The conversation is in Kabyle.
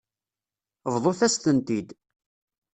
Bḍut-as-tent-id.